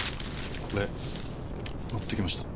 これ持ってきました。